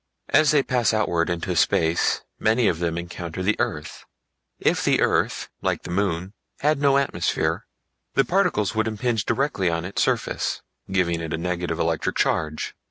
As they pass outward into space many of them encounter the earth. If the earth, like the moon, had no atmosphere the particles would impinge directly on its surface, giving it a negative electric charge.